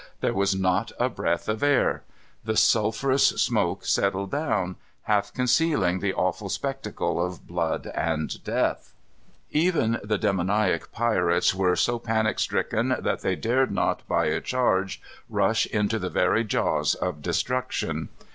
There was not a breath of air. The sulphurous smoke settled down, half concealing the awful spectacle of blood and death. Even the demoniac pirates were so panic stricken that they dared not by a charge rush into the very jaws of destruction.